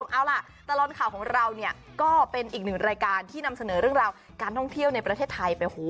เอาล่ะตลอดข่าวของเราเนี่ยก็เป็นอีกหนึ่งรายการที่นำเสนอเรื่องราวการท่องเที่ยวในประเทศไทยไป